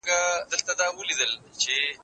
کېدای سي لاس ککړ وي!؟